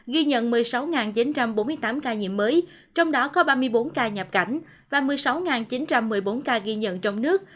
ghi nhận một mươi sáu chín trăm bốn mươi tám ca nhiễm mới trong đó có ba mươi bốn ca nhập cảnh và một mươi sáu chín trăm một mươi bốn ca ghi nhận trong nước